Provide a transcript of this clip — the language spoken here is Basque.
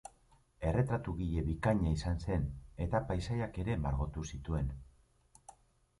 Erretratugile bikaina izan zen eta paisaiak ere margotu zituen.